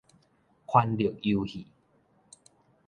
權力遊戲